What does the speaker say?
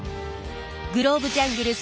グローブジャングル